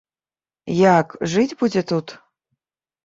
Як, жыць будзе тут?